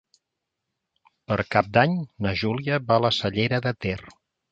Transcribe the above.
Per Cap d'Any na Júlia va a la Cellera de Ter.